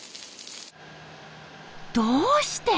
どうして？